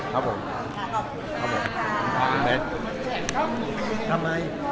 ขอบคุณครับขอบคุณครับ